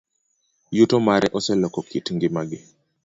Yuto mare oseloko kit ngimagi.